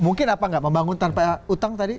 mungkin apa nggak membangun tanpa utang tadi